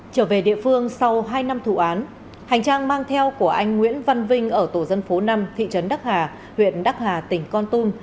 trở về địa phương sau hai năm thủ án hành trang mang theo của anh nguyễn văn vinh ở tổ dân phố năm thị trấn đắc hà huyện đắc hà tỉnh con tum